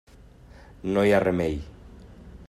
No hi ha remei.